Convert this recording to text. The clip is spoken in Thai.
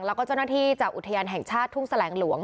แล้วก็เจ้าหน้าที่จากอุทยานแห่งชาติทุ่งแสลงหลวง